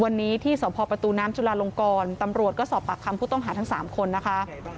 วันนี้ที่สพประตูน้ำจุลาลงกรตำรวจก็สอบปากคำผู้ต้องหาทั้ง๓คนนะคะ